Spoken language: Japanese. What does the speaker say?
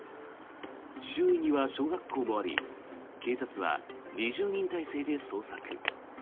周囲には小学校もあり警察は２０人態勢で捜索。